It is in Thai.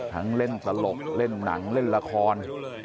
เล่นตลกเล่นหนังเล่นละคร